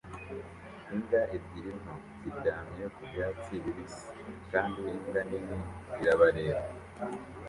Imbwa ebyiri nto ziryamye ku byatsi bibisi kandi imbwa nini irabareba